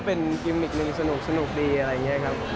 เป็นกิมมิกหนึ่งสนุกดีอะไรอย่างนี้ครับ